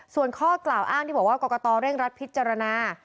ส่วนข้อกล่าวอ้างที่บอกว่ากรกตเร่งรัดพิจารณา